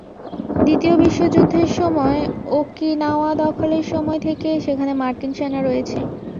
দ্বিতীয় বিশ্বযুদ্ধের সময় ওকিনাওয়া দখলের সময় থেকে সেখানে মার্কিন সেনা রয়েছে।